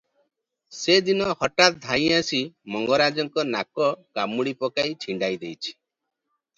ସେ ଦିନ ହଠାତ୍ ଧାଇଁଆସି ମଙ୍ଗରାଜଙ୍କ ନାକ କାମୁଡ଼ି ପକାଇ ଛିଣ୍ତାଇ ଦେଇଅଛି ।